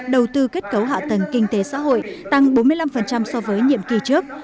đầu tư kết cấu hạ tầng kinh tế xã hội tăng bốn mươi năm so với nhiệm kỳ trước